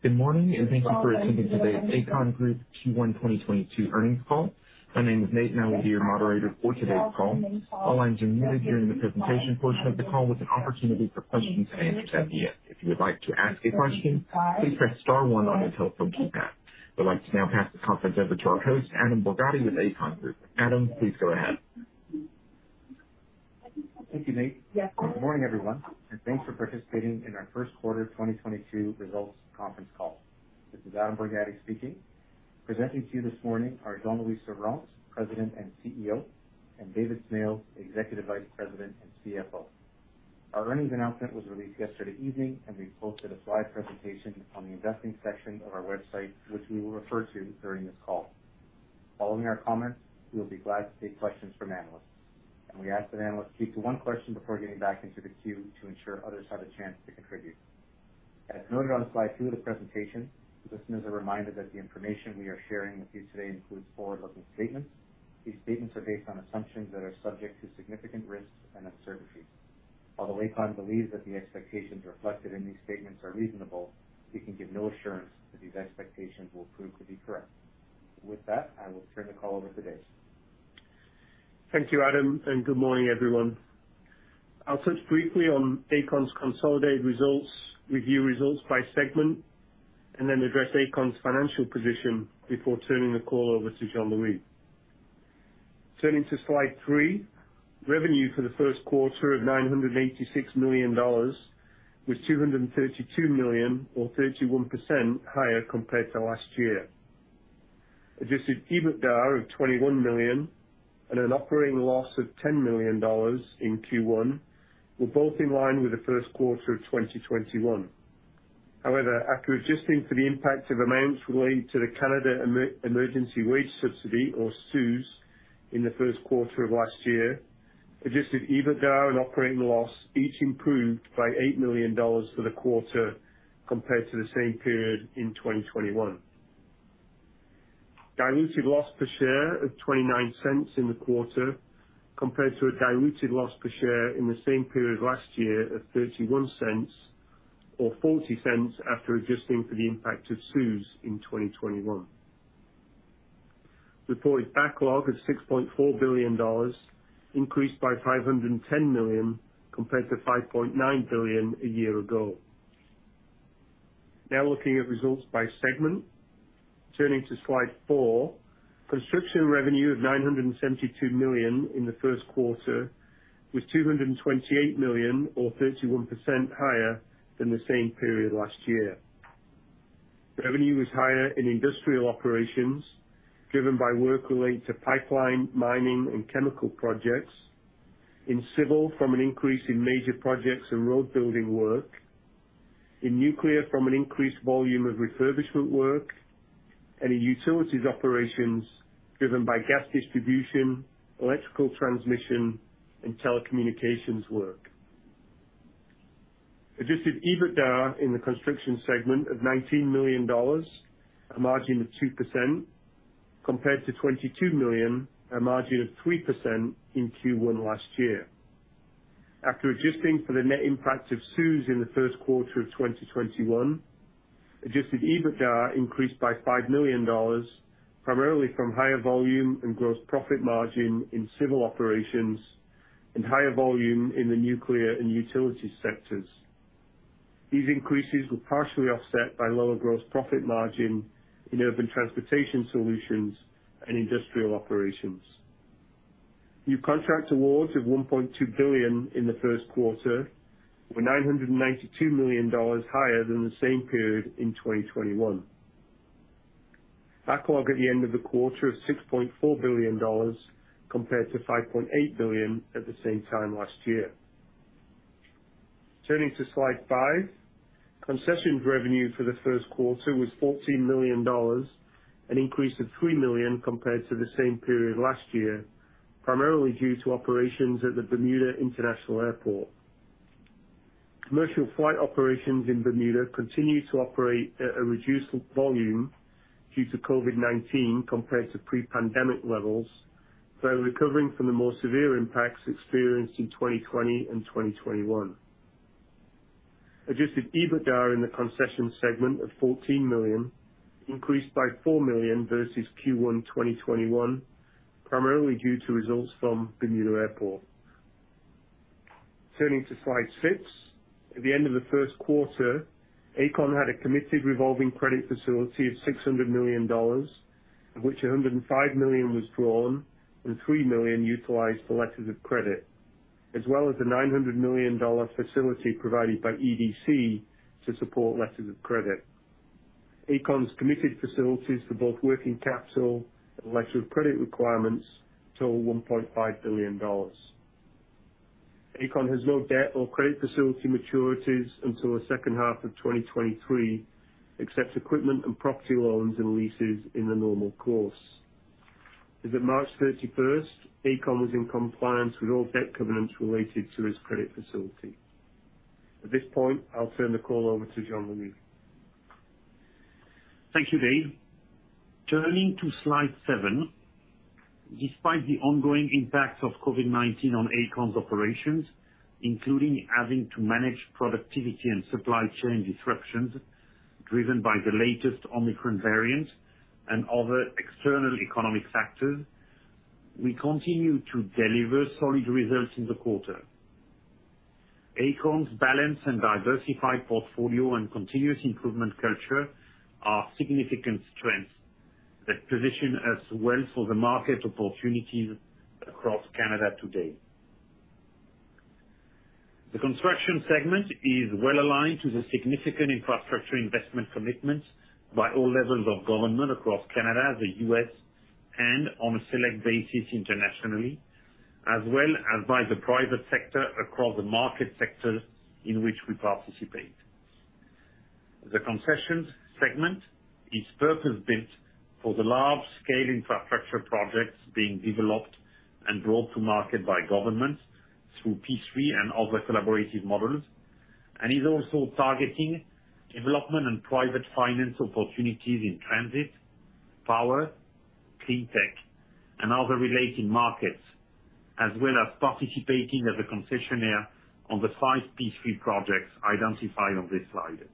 Good morning, and thank you for attending today's Aecon Group Q1 2022 earnings call. My name is Nate, and I will be your moderator for today's call. All lines are muted during the presentation portion of the call with an opportunity for questions-and-answers at the end. If you would like to ask a question, please press star one on your telephone keypad. I'd like to now pass the conference over to our host, Adam Borgatti with Aecon Group. Adam, please go ahead. Thank you, Nate. Good morning, everyone, and thanks for participating in our Q1 2022 results conference call. This is Adam Borgatti speaking. Presenting to you this morning are Jean-Louis Servranckx, President and CEO, and David Smales, Executive Vice President and CFO. Our earnings announcement was released yesterday evening, and we posted a slide presentation on the investing section of our website, which we will refer to during this call. Following our comments, we will be glad to take questions from analysts, and we ask that analysts keep to one question before getting back into the queue to ensure others have a chance to contribute. As noted on slide 2 of the presentation, listeners are reminded that the information we are sharing with you today includes forward-looking statements. These statements are based on assumptions that are subject to significant risks and uncertainties. Although Aecon believes that the expectations reflected in these statements are reasonable, we can give no assurance that these expectations will prove to be correct. With that, I will turn the call over to Dave. Thank you, Adam, and good morning, everyone. I'll touch briefly on Aecon's consolidated results, review results by segment, and then address Aecon's financial position before turning the call over to Jean-Louis. Turning to slide 3, revenue for Q1 of 986 million dollars was 232 million or 31% higher compared to last year. Adjusted EBITDA of 21 million and an operating loss of 10 million dollars in Q1 were both in line with Q1 of 2021. However, after adjusting for the impact of amounts relating to the Canada Emergency Wage Subsidy, or CEWS, in Q1 of last year, adjusted EBITDA and operating loss each improved by 8 million dollars for the quarter compared to the same period in 2021. Diluted loss per share of 0.29 in the quarter, compared to a diluted loss per share in the same period last year of 0.31 or 0.40 after adjusting for the impact of CEWS in 2021. Reported backlog of 6.4 billion dollars increased by 510 million compared to 5.9 billion a year ago. Now looking at results by segment. Turning to slide 4. Construction revenue of 972 million in the first quarter was 228 million or 31% higher than the same period last year. Revenue was higher in industrial operations, driven by work related to pipeline, mining, and chemical projects. In civil, from an increase in major projects and road building work. In nuclear, from an increased volume of refurbishment work. In utilities operations, driven by gas distribution, electrical transmission, and telecommunications work. Adjusted EBITDA in the construction segment of 19 million dollars, a margin of 2% compared to 22 million, a margin of 3% in Q1 last year. After adjusting for the net impact of CEWS in the first quarter of 2021, adjusted EBITDA increased by 5 million dollars, primarily from higher volume and gross profit margin in civil operations and higher volume in the nuclear and utility sectors. These increases were partially offset by lower gross profit margin in urban transportation solutions and industrial operations. New contract awards of 1.2 billion in the first quarter were 992 million dollars higher than the same period in 2021. Backlog at the end of the quarter is 6.4 billion dollars compared to 5.8 billion at the same time last year. Turning to slide five. Concessions revenue for Q1 was 14 million dollars, an increase of 3 million compared to the same period last year, primarily due to operations at the Bermuda International Airport. Commercial flight operations in Bermuda continue to operate at a reduced volume due to COVID-19 compared to pre-pandemic levels, though recovering from the more severe impacts experienced in 2020 and 2021. Adjusted EBITDA in the concession segment of 14 million increased by 4 million versus Q1 2021, primarily due to results from Bermuda Airport. Turning to slide six. At the end of Q1, Aecon had a committed revolving credit facility of 600 million dollars, of which 105 million was drawn and 3 million utilized for letters of credit, as well as a 900 million dollar facility provided by EDC to support letters of credit. Aecon's committed facilities for both working capital and letter of credit requirements total 1.5 billion dollars. Aecon has no debt or credit facility maturities until the second half of 2023, except equipment and property loans and leases in the normal course. As of March thirty-first, Aecon was in compliance with all debt covenants related to its credit facility. At this point, I'll turn the call over to Jean-Louis. Thank you, David. Turning to slide seven, despite the ongoing impact of COVID-19 on Aecon's operations, including having to manage productivity and supply chain disruptions driven by the latest Omicron variant and other external economic factors, we continue to deliver solid results in the quarter. Aecon's balanced and diversified portfolio and continuous improvement culture are significant strengths that position us well for the market opportunities across Canada today. The construction segment is well aligned to the significant infrastructure investment commitments by all levels of government across Canada, the U.S., and on a select basis internationally, as well as by the private sector across the market sectors in which we participate. The concessions segment is purpose-built for the large-scale infrastructure projects being developed and brought to market by governments through P3 and other collaborative models, and is also targeting development and private finance opportunities in transit, power, clean tech, and other related markets, as well as participating as a concessionaire on the five P3 projects identified on this slide.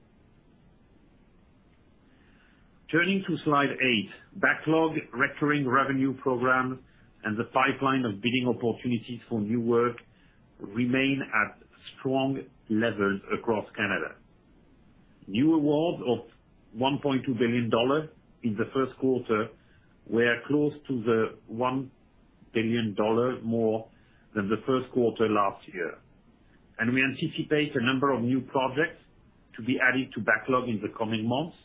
Turning to slide 8, backlog recurring revenue programs and the pipeline of bidding opportunities for new work remain at strong levels across Canada. New awards of 1.2 billion dollars in Q1 were close to 1 billion dollar more than Q1 last year. We anticipate a number of new projects to be added to backlog in the coming months,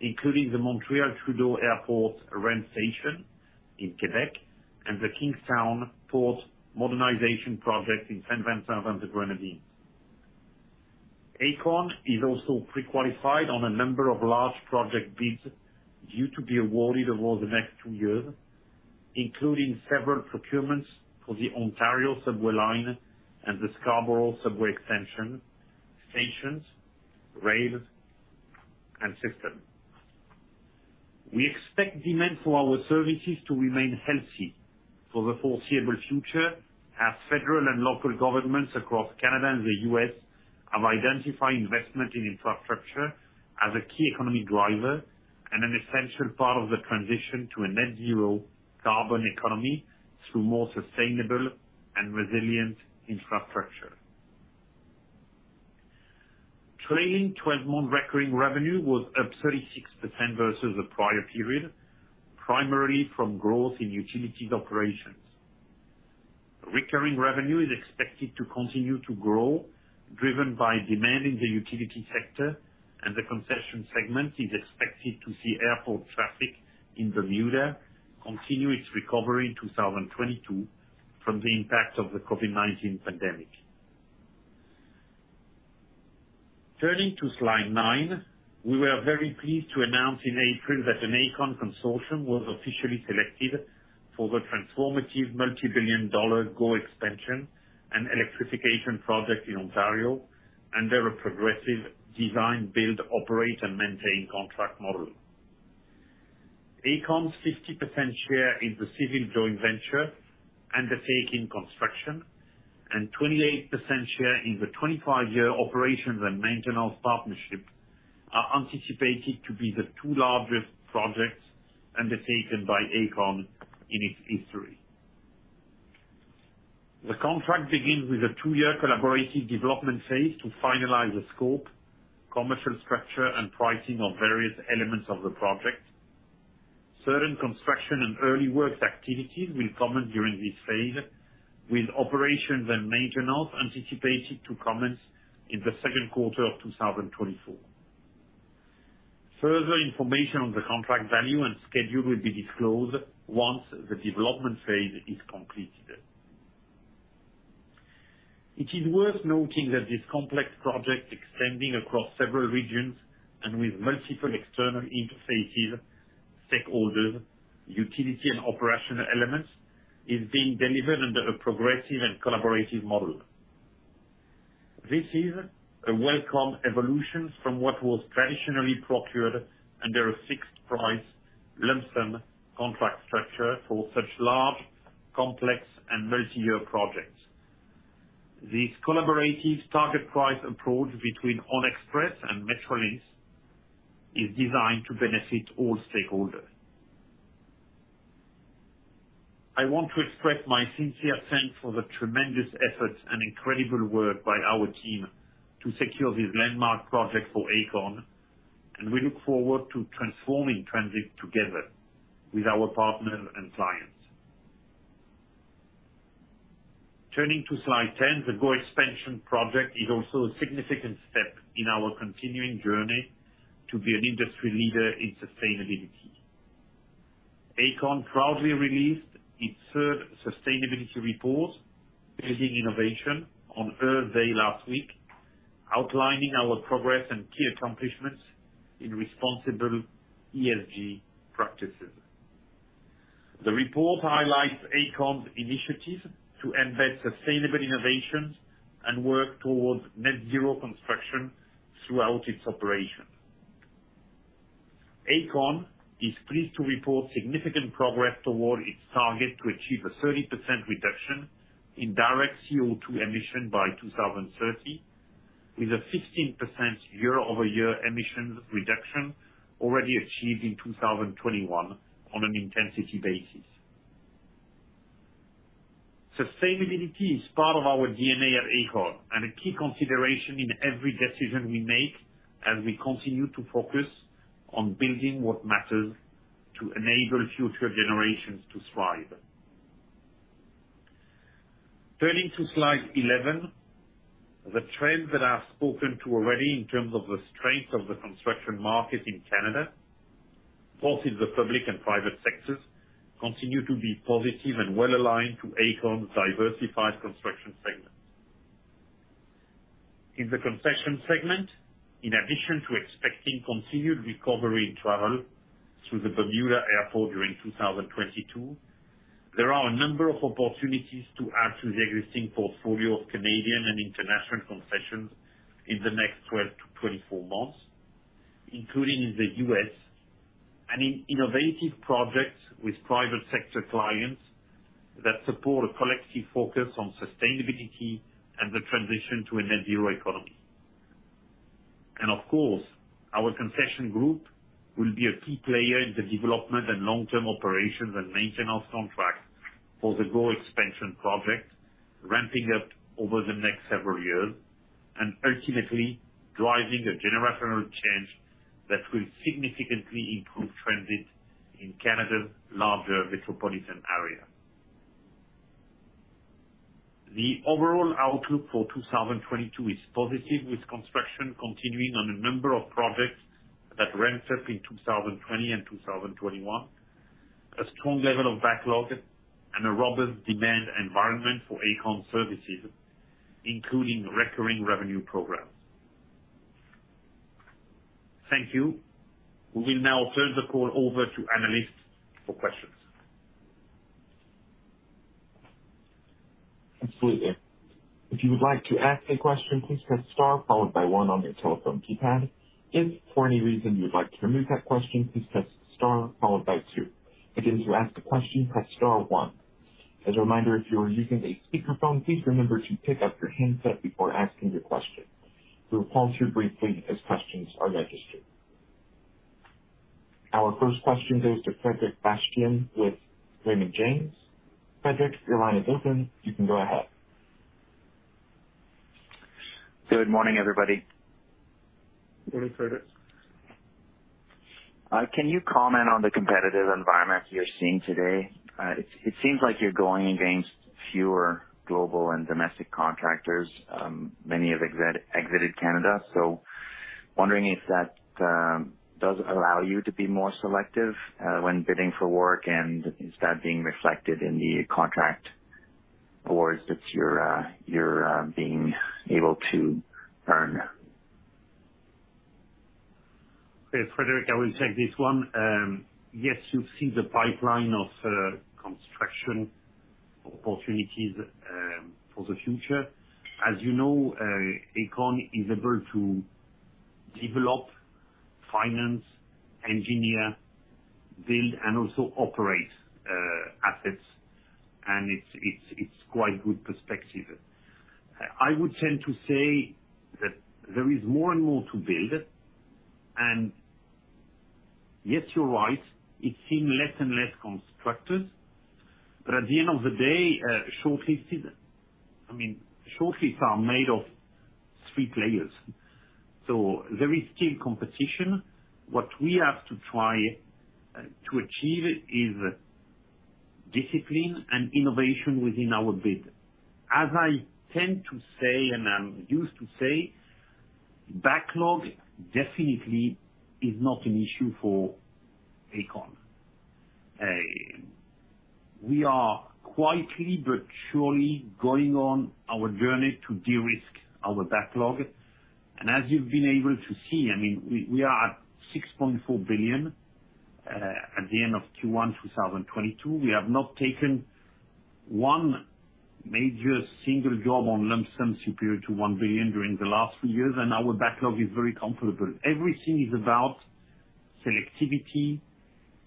including the Montreal Trudeau Airport REM station in Quebec and the Kingstown Port Modernization Project in Saint Vincent and the Grenadines. Aecon is also pre-qualified on a number of large project bids due to be awarded over the next 2 years, including several procurements for the Ontario Line and the Scarborough subway extension stations, rails, and system. We expect demand for our services to remain healthy for the foreseeable future, as federal and local governments across Canada and the U.S. have identified investment in infrastructure as a key economic driver and an essential part of the transition to a net zero carbon economy through more sustainable and resilient infrastructure. Trailing 12-month recurring revenue was up 36% versus the prior period, primarily from growth in utilities operations. Recurring revenue is expected to continue to grow, driven by demand in the utility sector, and the concession segment is expected to see airport traffic in Bermuda continue its recovery in 2022 from the impact of the COVID-19 pandemic. Turning to slide 9. We were very pleased to announce in April that an Aecon consortium was officially selected for the transformative multi-billion-dollar GO Expansion and electrification project in Ontario under a progressive design-build, operate and maintain contract model. Aecon's 50% share in the civil joint venture undertaking construction and 28% share in the 25-year operations and maintenance partnership are anticipated to be the two largest projects undertaken by Aecon in its history. The contract begins with a 2-year collaborative development phase to finalize the scope, commercial structure, and pricing of various elements of the project. Certain construction and early works activities will commence during this phase, with operations and maintenance anticipated to commence in the second quarter of 2024. Further information on the contract value and schedule will be disclosed once the development phase is completed. It is worth noting that this complex project, extending across several regions and with multiple external interfaces, stakeholders, utility and operational elements, is being delivered under a progressive and collaborative model. This is a welcome evolution from what was traditionally procured under a fixed price lump sum contract structure for such large, complex, and multi-year projects. This collaborative target price approach between ONxpress and Metrolinx is designed to benefit all stakeholders. I want to express my sincere thanks for the tremendous efforts and incredible work by our team to secure this landmark project for Aecon, and we look forward to transforming transit together with our partners and clients. Turning to slide 10. The GO Expansion project is also a significant step in our continuing journey to be an industry leader in sustainability. Aecon proudly released its third sustainability report, Building Innovation, on Earth Day last week, outlining our progress and key accomplishments in responsible ESG practices. The report highlights Aecon's initiative to embed sustainable innovations and work towards net zero construction throughout its operation. Aecon is pleased to report significant progress toward its target to achieve a 30% reduction in direct CO2 emission by 2030, with a 15% year-over-year emissions reduction already achieved in 2021 on an intensity basis. Sustainability is part of our DNA at Aecon and a key consideration in every decision we make as we continue to focus on building what matters to enable future generations to thrive. Turning to slide 11. The trends that I have spoken to already in terms of the strength of the construction market in Canada, both in the public and private sectors, continue to be positive and well aligned to Aecon's diversified construction segments. In the concession segment, in addition to expecting continued recovery in travel through the Bermuda Airport during 2022, there are a number of opportunities to add to the existing portfolio of Canadian and international concessions in the next 12-24 months, including in the U.S., and in innovative projects with private sector clients that support a collective focus on sustainability and the transition to a net zero economy. Of course, our concession group will be a key player in the development and long-term operations and maintenance contracts for the GO Expansion project, ramping up over the next several years and ultimately driving a generational change that will significantly improve transit in Canada's larger metropolitan area. The overall outlook for 2022 is positive, with construction continuing on a number of projects that ramped up in 2020 and 2021, a strong level of backlog and a robust demand environment for Aecon services, including recurring revenue programs. Thank you. We will now turn the call over to analysts for questions. Absolutely. If you would like to ask a question, please press star followed by one on your telephone keypad. If for any reason you would like to remove that question, please press star followed by two. Again, to ask a question, press star one. As a reminder, if you are using a speakerphone, please remember to pick up your handset before asking your question. We will pause you briefly as questions are registered. Our first question goes to Frederic Bastien with Raymond James. Frederic, your line is open. You can go ahead. Good morning, everybody. Morning, Frederic. Can you comment on the competitive environment you're seeing today? It seems like you're going against fewer global and domestic contractors. Many have exited Canada, so wondering if that does allow you to be more selective when bidding for work and is that being reflected in the contract awards that you're being able to earn? Yes, Frederic, I will take this one. Yes, you see the pipeline of construction opportunities for the future. As you know, Aecon is able to develop, finance, engineer, build, and also operate assets, and it's quite good perspective. I would tend to say that there is more and more to build. Yes, you're right, it seems less and less contractors. At the end of the day, shortlists are made of three players, so there is still competition. What we have to try to achieve is discipline and innovation within our bid. As I tend to say, and I'm used to say, backlog definitely is not an issue for Aecon. We are quietly but surely going on our journey to de-risk our backlog. As you've been able to see, I mean, we are at 6.4 billion at the end of Q1 2022. We have not taken one major single job on lump sum superior to 1 billion during the last few years, and our backlog is very comfortable. Everything is about selectivity.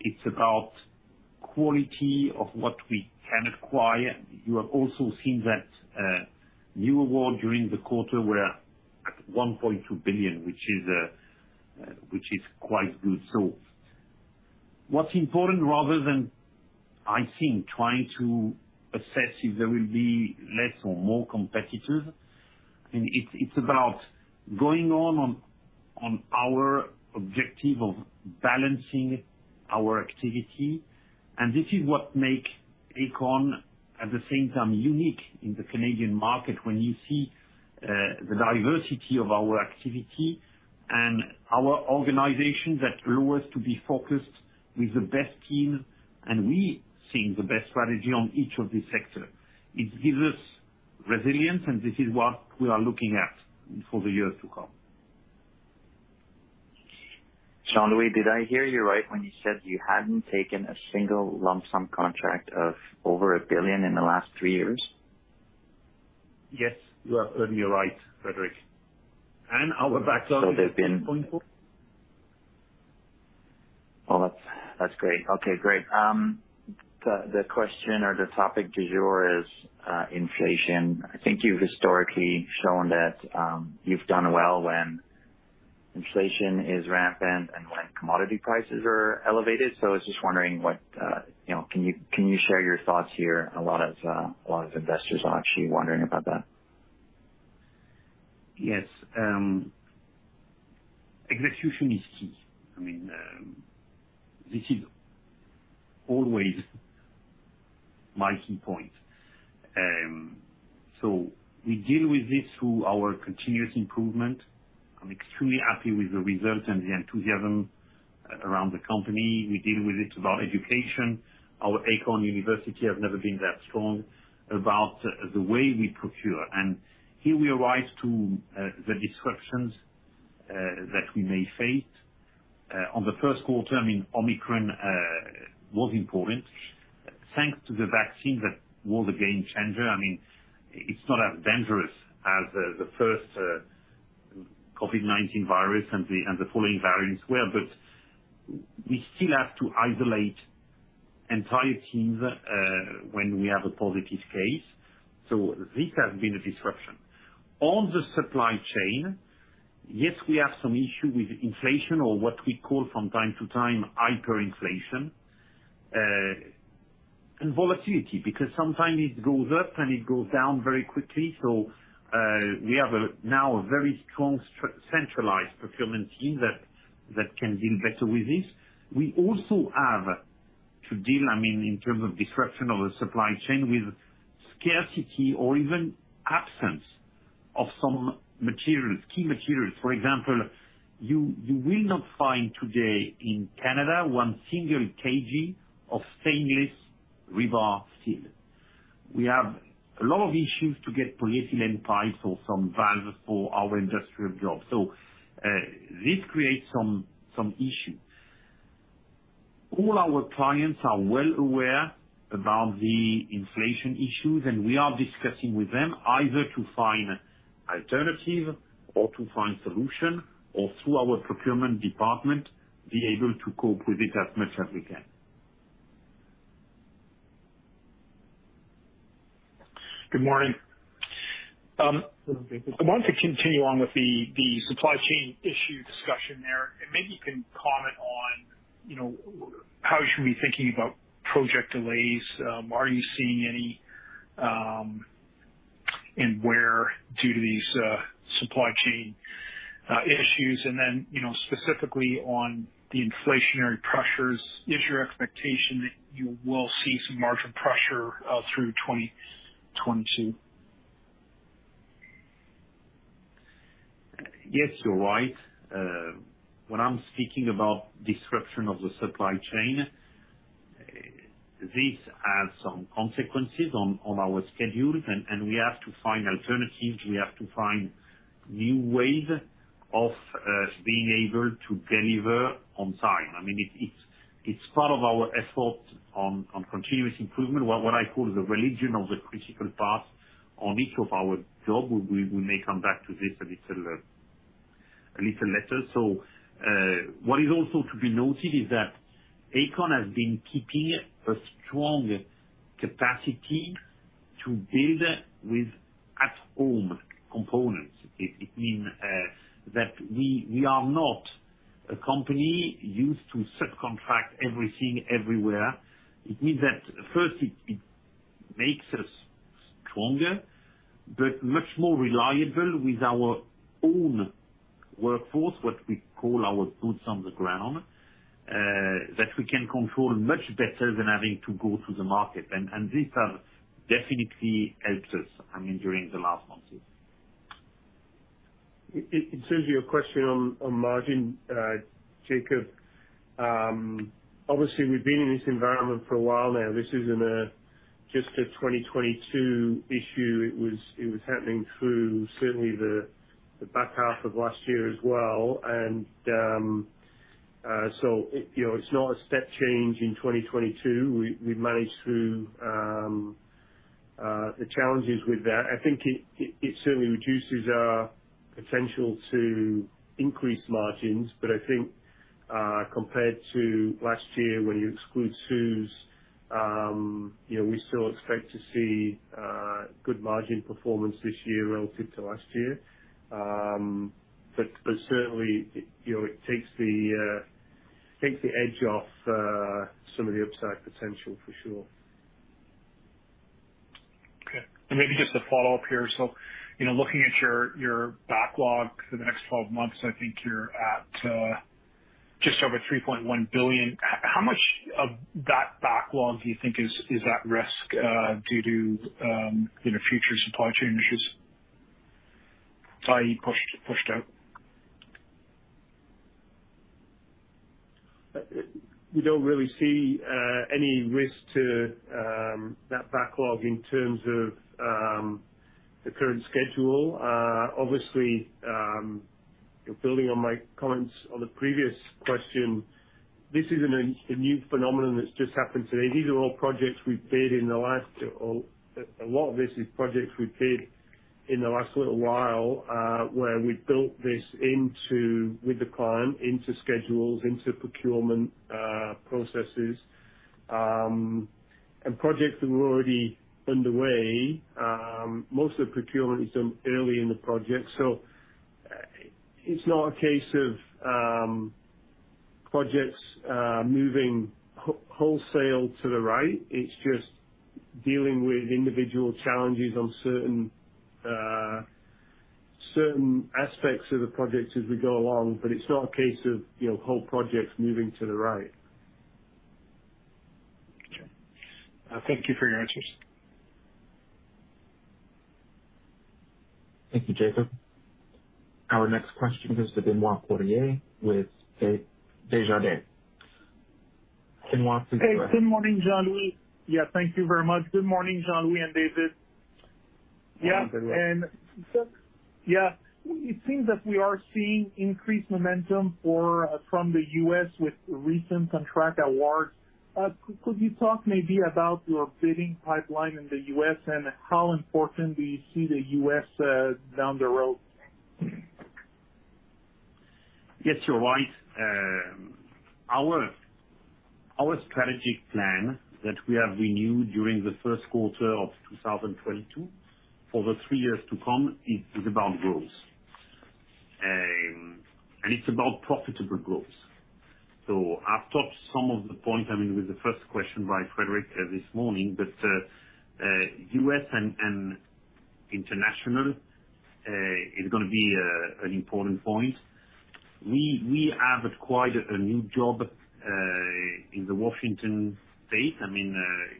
It's about quality of what we can acquire. You have also seen that new award during the quarter, we're at 1.2 billion, which is quite good. What's important, rather than, I think, trying to assess if there will be less or more competitors, I mean, it's about going on our objective of balancing our activity. This is what make Aecon, at the same time, unique in the Canadian market when you see the diversity of our activity. Our organization that allows us to be focused with the best team, and we think the best strategy on each of these sectors. It gives us resilience, and this is what we are looking at for the years to come. Jean-Louis, did I hear you right when you said you hadn't taken a single lump sum contract of over a billion in the last three years? Yes, you heard me right, Frederic. Our backlog is 3.4 That's great. Okay, great. The question or the topic du jour is inflation. I think you've historically shown that you've done well when inflation is rampant and when commodity prices are elevated. I was just wondering what you know, can you share your thoughts here? A lot of investors are actually wondering about that. Execution is key. I mean, this is always my key point. We deal with this through our continuous improvement. I'm extremely happy with the results and the enthusiasm around the company. We deal with it about education. Our Aecon University have never been that strong about the way we procure. Here we arrive to the disruptions that we may face. On Q1, I mean, Omicron was important. Thanks to the vaccine, that was a game changer. I mean, it's not as dangerous as the first COVID-19 virus and the following variants were, but we still have to isolate entire teams when we have a positive case. This has been a disruption. On the supply chain, yes, we have some issue with inflation or what we call from time to time, hyper-inflation, and volatility, because sometimes it goes up and it goes down very quickly. We have now a very strong centralized procurement team that can deal better with this. We also have to deal, I mean, in terms of disruption of the supply chain with scarcity or even absence of some materials, key materials. For example, you will not find today in Canada one single kg of stainless rebar steel. We have a lot of issues to get polyethylene pipes or some valves for our industrial jobs. This creates some issue. All our clients are well aware about the inflation issues, and we are discussing with them either to find alternative or to find solution or through our procurement department, be able to cope with it as much as we can. Good morning. I want to continue on with the supply chain issue discussion there. Maybe you can comment on, you know, how you should be thinking about project delays. Are you seeing any, and where, due to these supply chain issues? You know, specifically on the inflationary pressures, is your expectation that you will see some margin pressure through 2022? Yes, you're right. When I'm speaking about disruption of the supply chain, this has some consequences on our schedule. We have to find alternatives. We have to find new ways of being able to deliver on time. I mean, it's part of our effort on continuous improvement. What I call the religion of the critical path on each of our job. We may come back to this a little later. What is also to be noted is that Aecon has been keeping a strong capacity to build with at-home components. It means that we are not a company used to subcontract everything everywhere. It means that, first, it makes us stronger, but much more reliable with our own workforce, what we call our boots on the ground, that we can control much better than having to go to the market. This has definitely helped us, I mean, during the last months, yes. It includes your question on margin, Jacob. Obviously we've been in this environment for a while now. This isn't just a 2022 issue. It was happening through certainly the back half of last year as well. You know, it's not a step change in 2022. We managed through the challenges with that. I think it certainly reduces our potential to increase margins. But I think, compared to last year when you exclude CEWS, you know, we still expect to see good margin performance this year relative to last year. But certainly, you know, it takes the edge off some of the upside potential for sure. Maybe just a follow-up here. You know, looking at your backlog for the next twelve months, I think you're at just over 3.1 billion. How much of that backlog do you think is at risk due to, you know, future supply chain issues? i.e. pushed out. We don't really see any risk to that backlog in terms of the current schedule. Obviously, building on my comments on the previous question, this isn't a new phenomenon that's just happened today. These are all projects we've bid in the last, or a lot of this is projects we've bid in the last little while, where we built this into with the client, into schedules, into procurement processes, and projects that were already underway. Most of the procurement is done early in the project, so it's not a case of projects moving wholesale to the right. It's just dealing with individual challenges on certain aspects of the projects as we go along. It's not a case of, you know, whole projects moving to the right. Okay. Thank you for your answers. Thank you, Jacob. Our next question goes to Benoit Poirier with Desjardins. Benoit, please go ahead. Hey, good morning, Jean-Louis. Yeah, thank you very much. Good morning, Jean-Louis and David. Good morning. Yeah, it seems that we are seeing increased momentum from the U.S. with recent contract awards. Could you talk maybe about your bidding pipeline in the U.S. and how important do you see the U.S. down the road? Yes, you're right. Our strategic plan that we have renewed during Q1 of 2022, for the three years to come, it is about growth. It's about profitable growth. I've talked some of the points, I mean, with the first question by Frederic this morning, but U.S. and international is gonna be an important point. We have acquired a new job in Washington State. I mean,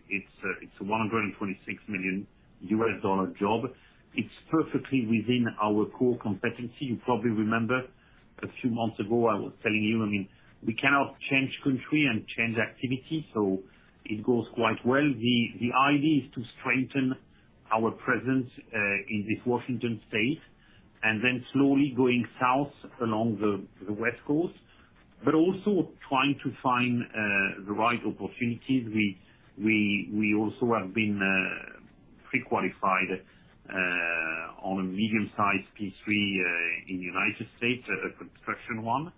it's $126 million job. It's perfectly within our core competency. You probably remember a few months ago, I was telling you, I mean, we cannot change country and change activity, so it goes quite well. The idea is to strengthen our presence in this Washington state, and then slowly going south along the West Coast, but also trying to find the right opportunities. We also have been pre-qualified on a medium-sized P3 in the United States, a construction one.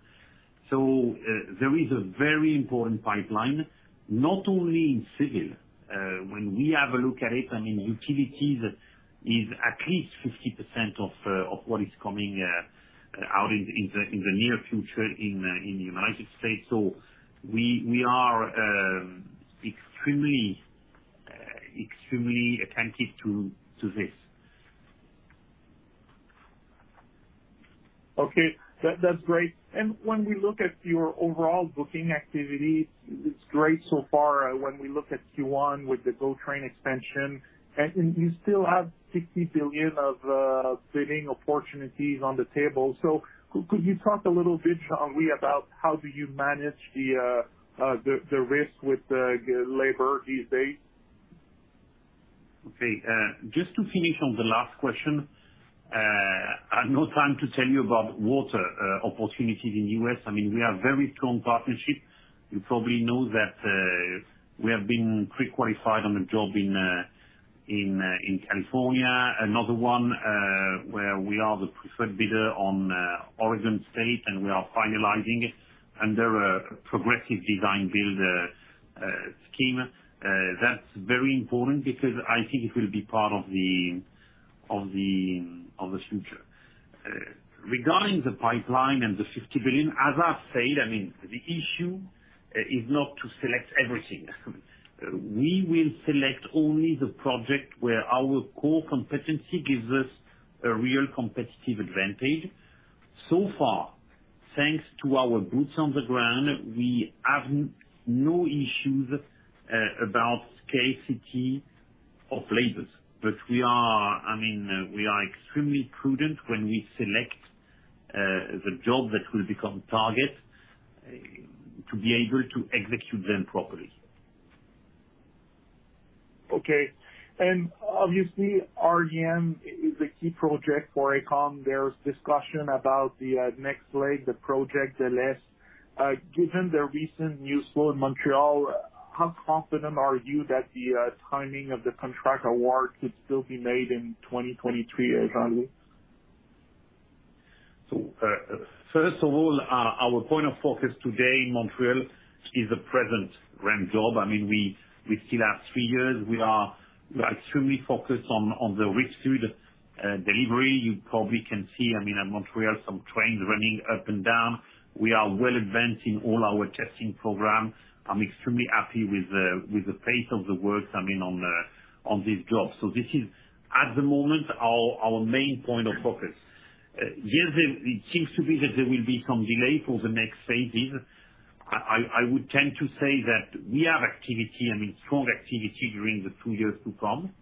There is a very important pipeline, not only in civil. When we have a look at it, I mean, utilities is at least 50% of what is coming out in the near future in the United States. We are extremely attentive to this. Okay. That's great. When we look at your overall booking activity, it's great so far. When we look at Q1 with the GO Expansion, you still have 60 billion of bidding opportunities on the table. Could you talk a little bit, Jean-Louis, about how do you manage the risk with the labor these days? Okay, just to finish on the last question, I've no time to tell you about water opportunities in the U.S. I mean, we have very strong partnerships. You probably know that, we have been pre-qualified on a job in California. Another one, where we are the preferred bidder on Oregon State, and we are finalizing under a Progressive Design-Build scheme. That's very important because I think it will be part of the future. Regarding the pipeline and the 50 billion, as I've said, I mean, the issue is not to select everything. We will select only the project where our core competency gives us a real competitive advantage. So far, thanks to our boots on the ground, we have no issues about scarcity of labor. We are, I mean, extremely prudent when we select the job that will become target to be able to execute them properly. Obviously, REM is a key project for Aecon. There's discussion about the next leg, the project, the LRT. Given the recent news flow in Montreal, how confident are you that the timing of the contract award could still be made in 2023, Jean-Louis? First of all, our point of focus today in Montreal is the present REM job. I mean, we still have 3 years. We are extremely focused on the risk to the delivery. You probably can see, I mean, in Montreal, some trains running up and down. We are well advanced in all our testing programs. I'm extremely happy with the pace of the work, I mean, on this job. This is, at the moment, our main point of focus. Yes, it seems to be that there will be some delay for the next phases. I would tend to say that we have activity, I mean, strong activity during the 2 years to come.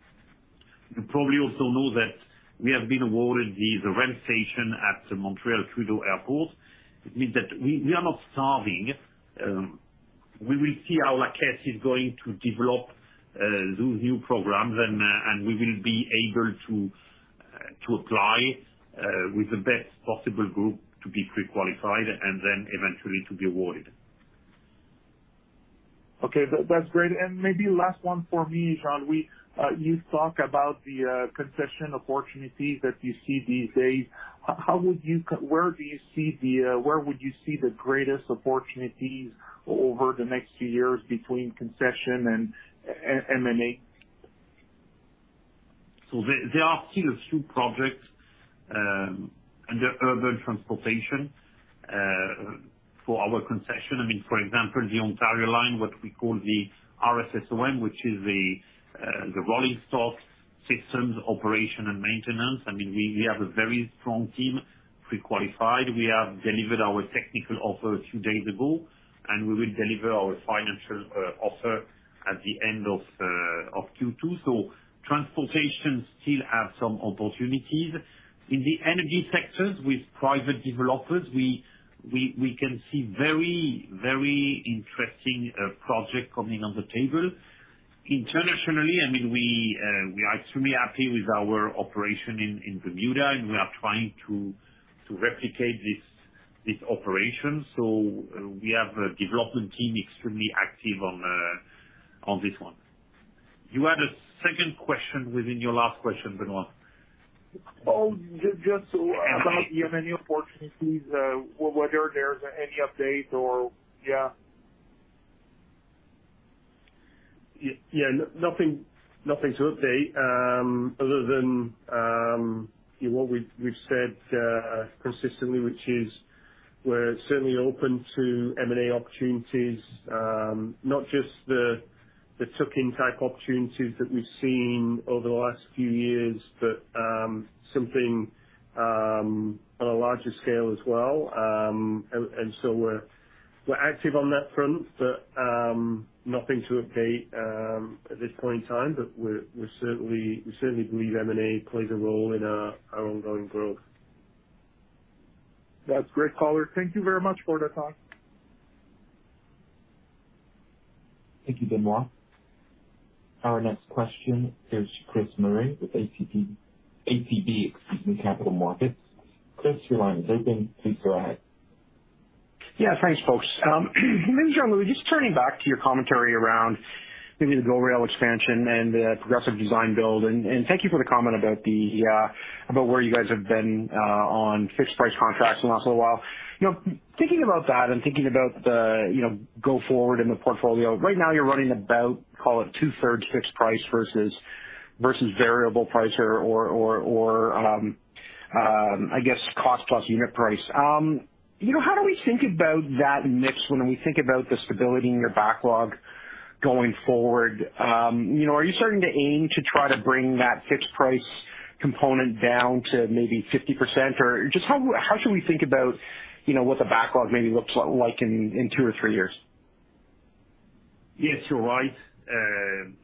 You probably also know that we have been awarded the REM station at the Montréal-Trudeau Airport. It means that we are not starving. We will see how La Caisse is going to develop those new programs and we will be able to apply with the best possible group to be pre-qualified and then eventually to be awarded. Okay. That's great. Maybe last one for me, Jean-Louis. You talk about the concession opportunities that you see these days. Where would you see the greatest opportunities over the next few years between concession and M&A? There are still a few projects under urban transportation for our concession. I mean, for example, the Ontario Line, what we call the RSSOM, which is the rolling stock systems operation and maintenance. I mean, we have a very strong team pre-qualified. We have delivered our technical offer a few days ago, and we will deliver our financial offer at the end of Q2. Transportation still have some opportunities. In the energy sectors with private developers, we can see very interesting project coming on the table. Internationally, I mean, we are extremely happy with our operation in Bermuda, and we are trying to replicate this operation. We have a development team extremely active on this one. You had a second question within your last question, Benoit. Oh, just about the M&A opportunities, whether there's any update or. Yeah. Yeah. Nothing to update other than what we've said consistently, which is we're certainly open to M&A opportunities. Not just the tuck-in type opportunities that we've seen over the last few years, but something on a larger scale as well. We're active on that front, but nothing to update at this point in time. We certainly believe M&A plays a role in our ongoing growth. That's great color. Thank you very much for the time. Thank you, Benoit. Our next question is Chris Murray with ATB, excuse me, Capital Markets. Chris, your line is open. Please go ahead. Yeah, thanks, folks. Maybe, Jean-Louis, just turning back to your commentary around maybe the GO Rail expansion and the Progressive Design-Build, and thank you for the comment about where you guys have been on fixed price contracts in the last little while. You know, thinking about that and thinking about the, you know, go forward in the portfolio. Right now you're running about, call it two-thirds fixed price versus variable price or I guess, cost plus unit price. You know, how do we think about that mix when we think about the stability in your backlog going forward? You know, are you starting to aim to try to bring that fixed price component down to maybe 50%? Just how should we think about, you know, what the backlog maybe looks like in two or three years? Yes, you're right.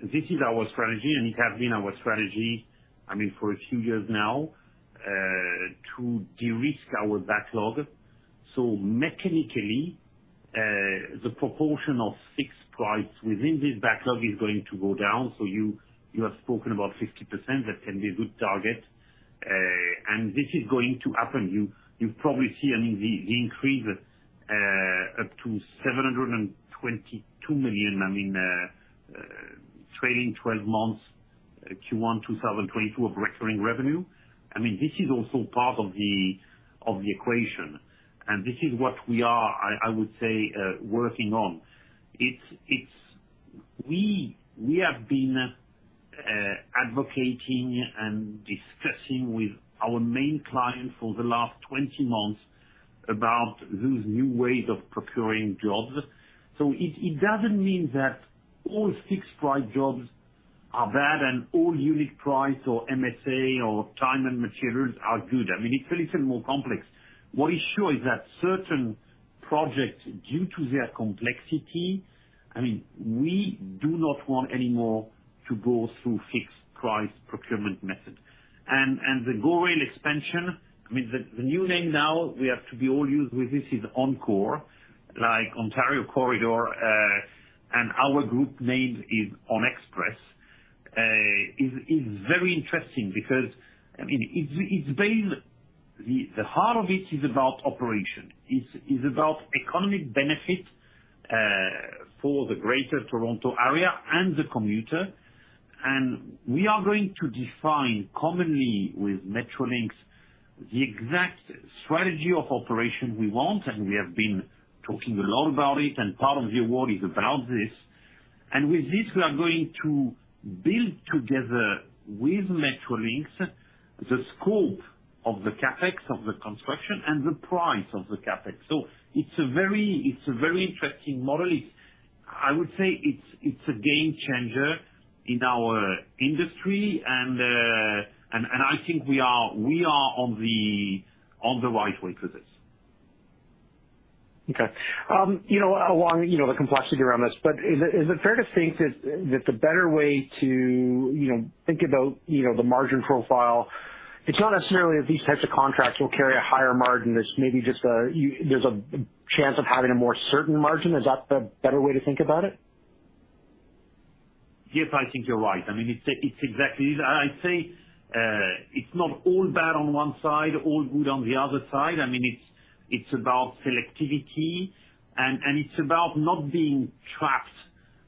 This is our strategy, and it has been our strategy, I mean, for a few years now, to de-risk our backlog. Mechanically, the proportion of fixed price within this backlog is going to go down. You have spoken about 50%, that can be a good target. This is going to happen. You probably see, I mean, the increase up to 722 million trailing twelve months Q1 2022 of recurring revenue. This is also part of the equation, and this is what we are working on. It's... We have been advocating and discussing with our main client for the last 20 months about those new ways of procuring jobs. It doesn't mean that all fixed price jobs are bad and all unit price or MSA or time and materials are good. I mean, it's a little more complex. What is sure is that certain projects, due to their complexity, I mean, we do not want any more to go through fixed price procurement method. The GO Rail Expansion, I mean, the new name now, we have to be all used with this, is ONCORR, like Ontario Corridor, and our group name is ONxpress. It is very interesting because, I mean, it's been. The heart of it is about operation. It is about economic benefit for the Greater Toronto Area and the commuter. We are going to define commonly with Metrolinx, the exact strategy of operation we want, and we have been talking a lot about it, and part of the award is about this. With this, we are going to build together with Metrolinx, the scope of the CapEx, of the construction and the price of the CapEx. It's a very interesting model. It's a game changer in our industry, and I think we are on the right way to this. Okay. You know, along the complexity around this, but is it fair to think that the better way to think about the margin profile, it's not necessarily that these types of contracts will carry a higher margin, it's maybe just there's a chance of having a more certain margin? Is that the better way to think about it? Yes, I think you're right. I mean, it's exactly that. I'd say, it's not all bad on one side, all good on the other side. I mean, it's about selectivity and it's about not being trapped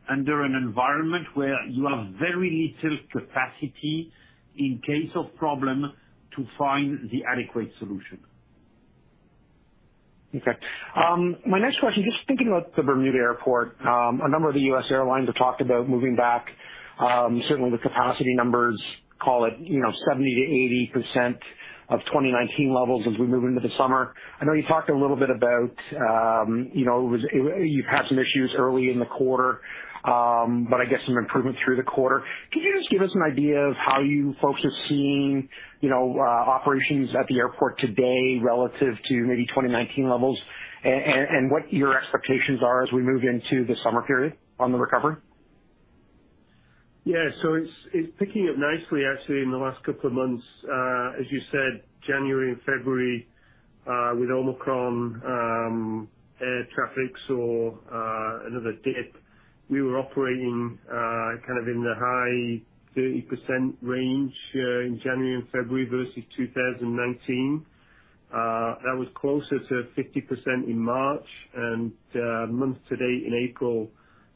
under an environment where you have very little capacity in case of problem to find the adequate solution. Okay. My next question, just thinking about the Bermuda Airport, a number of the U.S. airlines have talked about moving back, certainly with capacity numbers, call it, you know, 70%-80% of 2019 levels as we move into the summer. I know you talked a little bit about, you know, you've had some issues early in the quarter, but I guess some improvement through the quarter. Could you just give us an idea of how you folks are seeing, you know, operations at the airport today relative to maybe 2019 levels, and what your expectations are as we move into the summer period on the recovery? Yeah. It's picking up nicely actually in the last couple of months. As you said, January and February, with Omicron, air traffic saw another dip. We were operating kind of in the high 30% range in January and February versus 2019. That was closer to 50% in March, and month to date in April,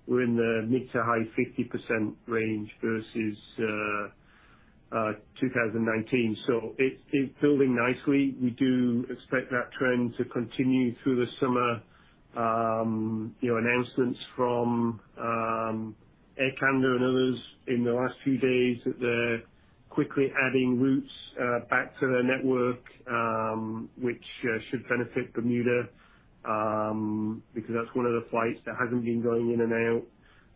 we're in the mid- to high 50% range versus 2019. It's building nicely. We do expect that trend to continue through the summer. You know, announcements from Air Canada and others in the last few days that they're quickly adding routes back to their network, which should benefit Bermuda, because that's one of the flights that hasn't been going in and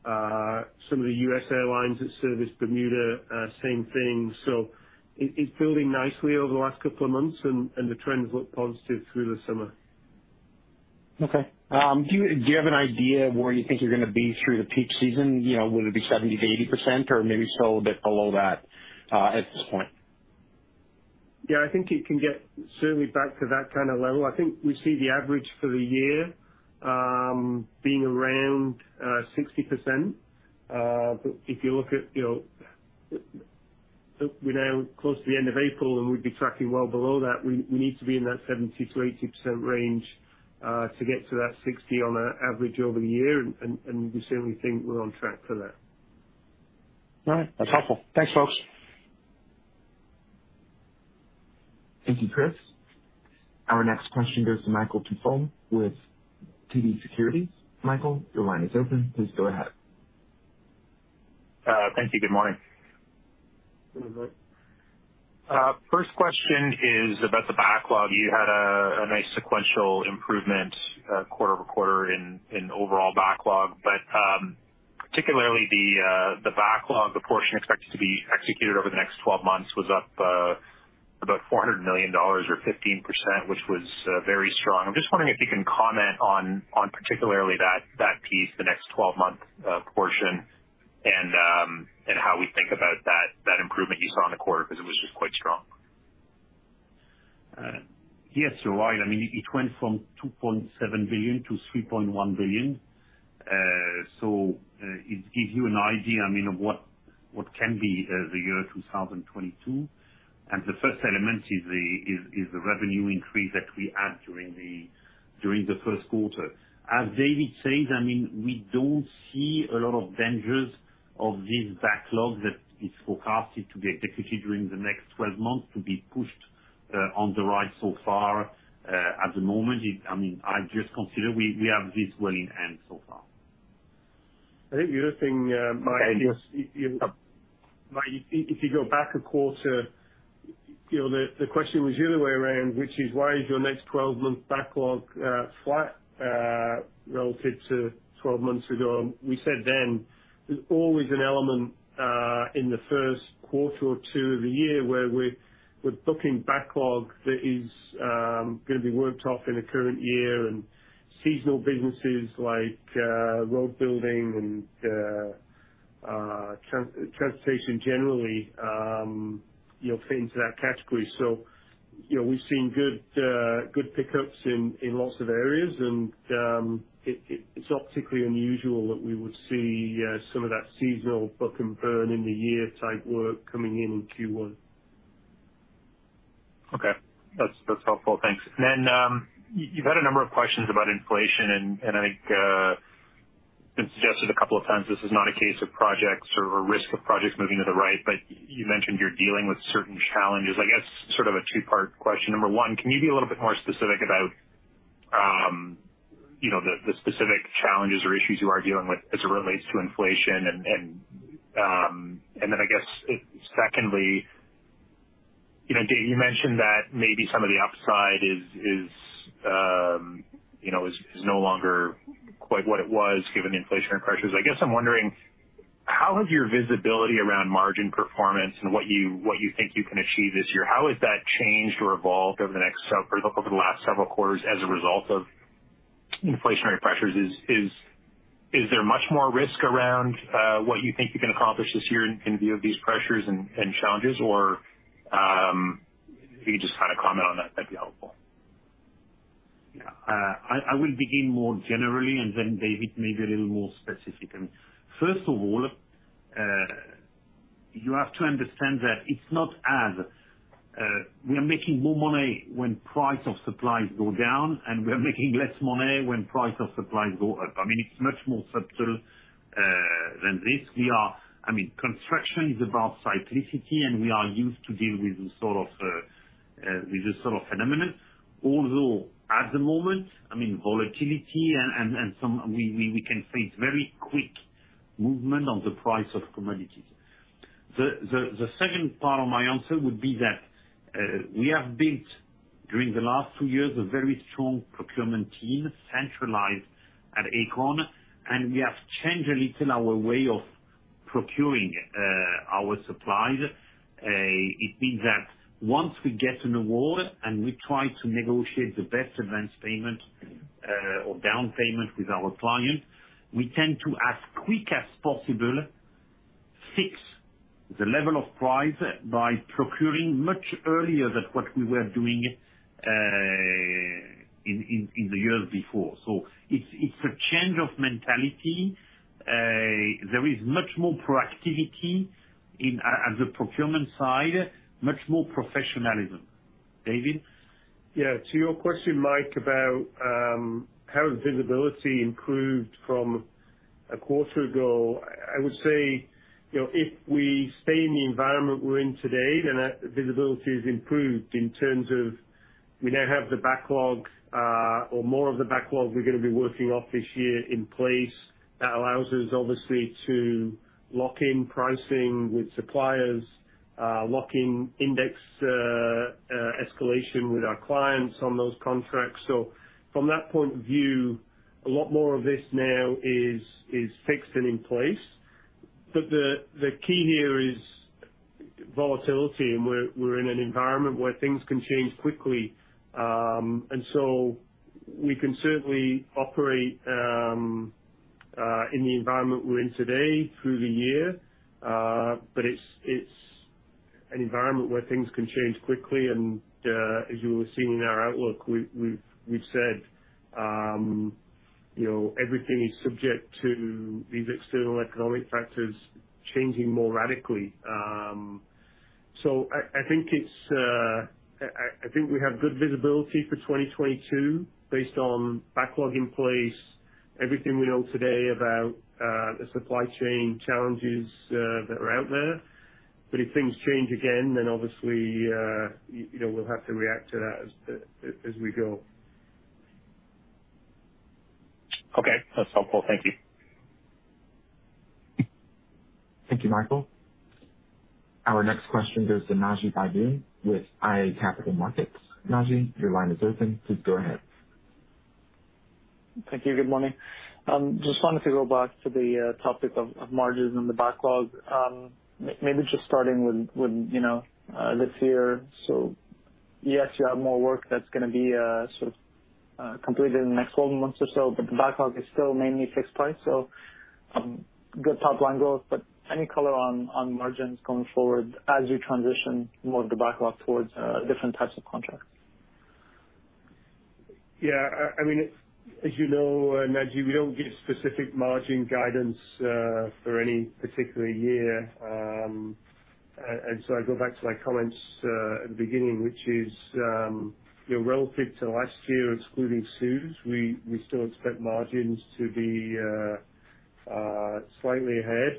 out. Some of the U.S. airlines that service Bermuda, same thing. It's building nicely over the last couple of months and the trends look positive through the summer. Okay. Do you have an idea of where you think you're gonna be through the peak season? You know, will it be 70%-80% or maybe still a bit below that, at this point? Yeah, I think it can get certainly back to that kind of level. I think we see the average for the year being around 60%. If you look at, you know, we're now close to the end of April, and we'd be tracking well below that. We need to be in that 70%-80% range to get to that 60% on average over the year, and we certainly think we're on track for that. All right. That's helpful. Thanks, folks. Thank you, Chris. Our next question goes to Michael Tupholme with TD Securities. Michael, your line is open. Please go ahead. Thank you. Good morning. Good morning. First question is about the backlog. You had a nice sequential improvement quarter-over-quarter in overall backlog, but particularly the backlog, the portion expected to be executed over the next 12 months was up about 400 million dollars or 15%, which was very strong. I'm just wondering if you can comment on particularly that piece, the next 12-month portion and how we think about that improvement you saw in the quarter, because it was just quite strong. Yes, you're right. I mean it went from 2.7 billion-3.1 billion. It gives you an idea, I mean, of what can be the year 2022. The first element is the revenue increase that we had during Q1. As David says, I mean, we don't see a lot of dangers of this backlog that is forecasted to be executed during the next 12 months to be pushed on the right so far. At the moment, I mean, I just consider we have this well in hand so far. I think the other thing, Mike, if you go back a quarter, you know, the question was the other way around, which is why is your next 12-month backlog flat relative to 12 months ago? We said then, there's always an element in Q1 or two of the year where we're booking backlog that is gonna be worked off in the current year. Seasonal businesses like road building and transportation generally, you'll fit into that category. You know, we've seen good pick-ups in lots of areas and it's optically unusual that we would see some of that seasonal book and burn in the year type work coming in in Q1. Okay. That's helpful. Thanks. You've had a number of questions about inflation and I think it's suggested a couple of times this is not a case of projects or risk of projects moving to the right, but you mentioned you're dealing with certain challenges. I guess sort of a two-part question. Number one, can you be a little bit more specific about you know the specific challenges or issues you are dealing with as it relates to inflation? I guess secondly, you know, Dave, you mentioned that maybe some of the upside is you know is no longer quite what it was given the inflationary pressures. I guess I'm wondering how has your visibility around margin performance and what you think you can achieve this year changed or evolved over the last several quarters as a result of inflationary pressures? Is there much more risk around what you think you can accomplish this year in view of these pressures and challenges? If you could just kind of comment on that'd be helpful. Yeah. I will begin more generally, and then David maybe a little more specific. First of all, you have to understand that it's not as we are making more money when price of supplies go down, and we are making less money when price of supplies go up. I mean, it's much more subtle than this. I mean, construction is about cyclicity, and we are used to deal with this sort of phenomenon. Although at the moment, I mean, volatility and some we can face very quick movement on the price of commodities. The second part of my answer would be that we have built, during the last two years, a very strong procurement team centralized at Aecon, and we have changed a little our way of procuring our supplies. It means that once we get an award and we try to negotiate the best advanced payment or down payment with our client, we tend to, as quick as possible, fix the level of price by procuring much earlier than what we were doing in the years before. It's a change of mentality. There is much more proactivity on the procurement side, much more professionalism. David? Yeah. To your question, Mike, about how visibility improved from a quarter ago, I would say, you know, if we stay in the environment we're in today, then our visibility has improved in terms of we now have the backlogs or more of the backlogs we're gonna be working off this year in place. That allows us, obviously, to lock in pricing with suppliers, lock in index escalation with our clients on those contracts. From that point of view, a lot more of this now is fixed and in place. The key here is volatility, and we're in an environment where things can change quickly. We can certainly operate in the environment we're in today through the year, but it's an environment where things can change quickly. As you will have seen in our outlook, we've said, you know, everything is subject to these external economic factors changing more radically. I think we have good visibility for 2022 based on backlog in place, everything we know today about the supply chain challenges that are out there. If things change again, then obviously, you know, we'll have to react to that as we go. Okay. That's helpful. Thank you. Thank you, Michael. Our next question goes to Naji Baydoun with iA Capital Markets. Naji, your line is open. Please go ahead. Thank you. Good morning. Just wanted to go back to the topic of margins and the backlog. Maybe just starting with, you know, this year. Yes, you have more work that's gonna be sort of completed in the next 12 months or so, but the backlog is still mainly fixed price. Good top line growth, but any color on margins going forward as you transition more of the backlog towards different types of contracts? Yeah. I mean, as you know, Najib, we don't give specific margin guidance for any particular year. I go back to my comments at the beginning, which is, you know, relative to last year, excluding CEWS, we still expect margins to be slightly ahead.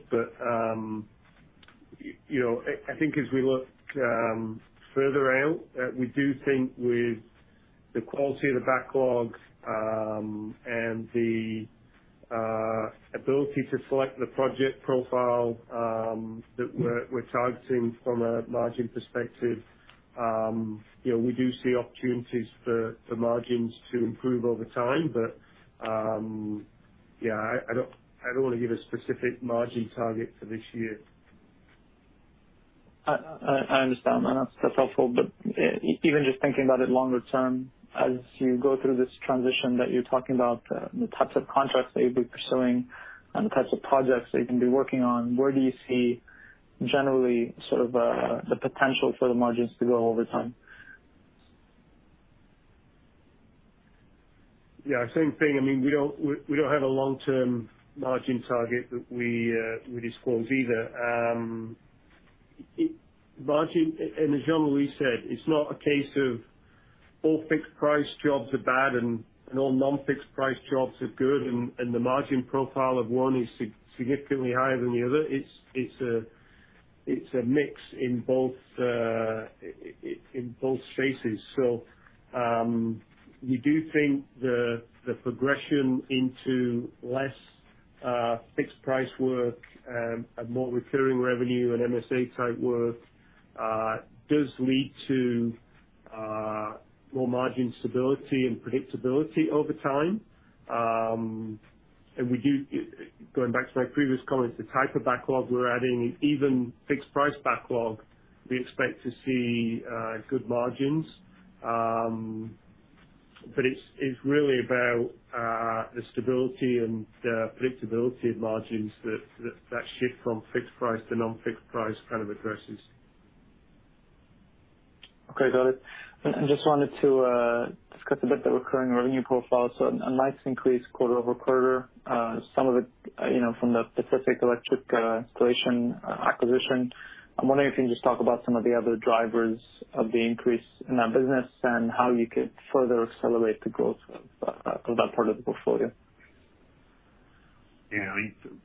You know, I think as we look further out, we do think with the quality of the backlogs and the ability to select the project profile that we're targeting from a margin perspective, you know, we do see opportunities for margins to improve over time. Yeah, I don't wanna give a specific margin target for this year. I understand that. That's helpful. Even just thinking about it longer term, as you go through this transition that you're talking about, the types of contracts that you'll be pursuing and the types of projects that you can be working on, where do you see generally sort of the potential for the margins to grow over time? Yeah. Same thing. I mean, we don't have a long-term margin target that we disclose either. As Jean-Louis said, it's not a case of all fixed price jobs are bad and all non-fixed price jobs are good, and the margin profile of one is significantly higher than the other. It's a mix in both spaces. We do think the progression into less fixed price work and more recurring revenue and MSA type work does lead to more margin stability and predictability over time. Going back to my previous comments, the type of backlog we're adding, even fixed-price backlog, we expect to see good margins. It's really about the stability and predictability of margins that shift from fixed price to non-fixed price kind of addresses. Okay. Got it. I just wanted to discuss a bit the recurring revenue profile. A nice increase quarter-over-quarter. Some of it, you know, from the Pacific Electrical Installations acquisition. I'm wondering if you can just talk about some of the other drivers of the increase in that business and how you could further accelerate the growth of that part of the portfolio. Yeah, I think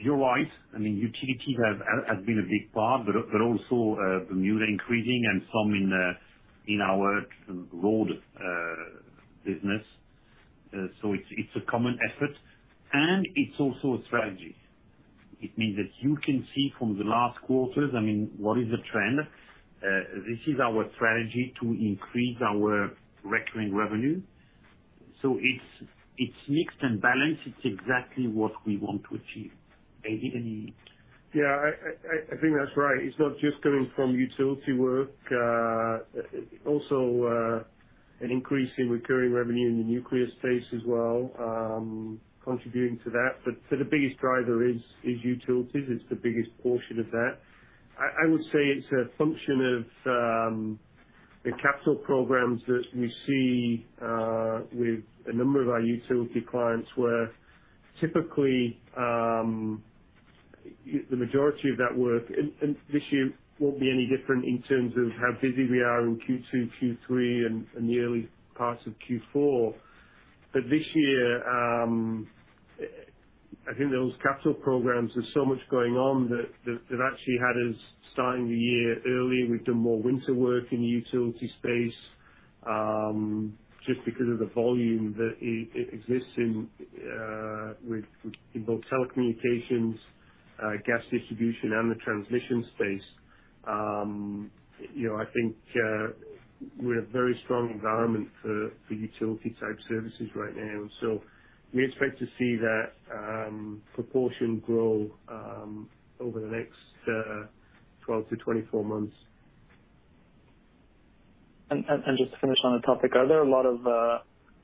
you're right. I mean, utilities has been a big part, but also, Bermuda increasing and some in our road business. It's a common effort, and it's also a strategy. It means that you can see from the last quarters, I mean, what is the trend? This is our strategy to increase our recurring revenue. It's mixed and balanced. It's exactly what we want to achieve. David, any? Yeah, I think that's right. It's not just coming from utility work. Also, an increase in recurring revenue in the nuclear space as well, contributing to that. The biggest driver is utilities. It's the biggest portion of that. I would say it's a function of the capital programs that we see with a number of our utility clients, where typically the majority of that work, and this year won't be any different in terms of how busy we are in Q2, Q3, and the early parts of Q4. This year, I think those capital programs, there's so much going on that they've actually had us starting the year early. We've done more winter work in the utility space, just because of the volume that exists in with both telecommunications, gas distribution and the transmission space. You know, I think we're in a very strong environment for utility type services right now. We expect to see that proportion grow over the next 12-24 months. Just to finish on the topic, are there a lot of,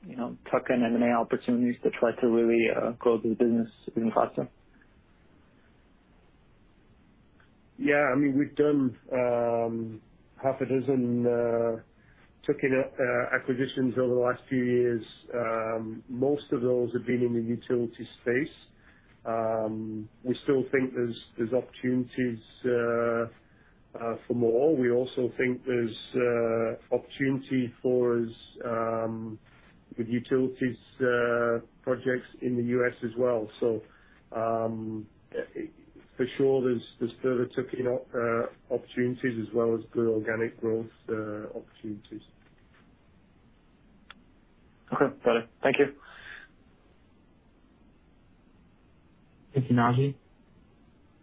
you know, tuck-in M&A opportunities to try to really grow the business even faster? Yeah. I mean, we've done 6 tuck-in acquisitions over the last few years. Most of those have been in the utility space. We still think there's opportunities for more. We also think there's opportunity for us with utilities projects in the U.S. as well. For sure there's further tuck-in opportunities as well as good organic growth opportunities. Okay. Got it. Thank you. Thank you, Naji.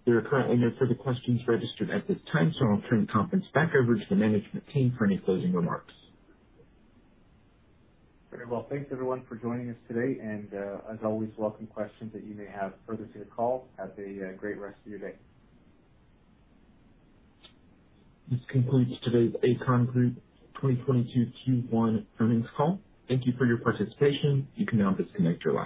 There are currently no further questions registered at this time, so I'll turn the conference back over to the management team for any closing remarks. Very well. Thanks, everyone, for joining us today. As always, welcome questions that you may have further to the call. Have a great rest of your day. This concludes today's Aecon Group 2022 Q1 earnings call. Thank you for your participation. You can now disconnect your lines.